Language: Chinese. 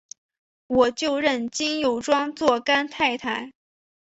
我就认金友庄做干太太！